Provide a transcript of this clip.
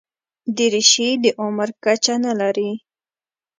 دریشي د عمر کچه نه لري.